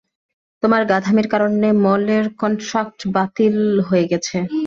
তোমার গাধামির কারনে, মলের কন্ট্রাক্ট বাতিল হয়ে গেছে।